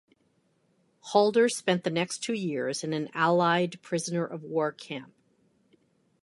Halder spent the next two years in an Allied prisoner of war camp.